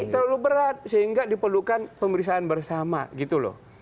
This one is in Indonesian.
terlalu berat sehingga diperlukan pemeriksaan bersama gitu loh